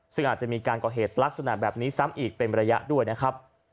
ซึ่งอาจจะมีการก่อเหตุลักษณะแบบนี้ซ้ำอีกเป็นระยะด้วยนะครับ